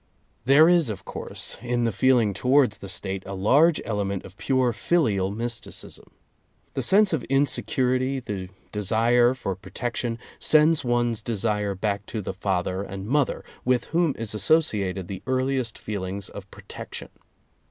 / There is, of course, in the feeling towards the State a large element of pure filial mysticism. The sense of insecurity, the desire for protection, sends one's desire back to the father and mother, with whom is associated the earliest feelings of protection.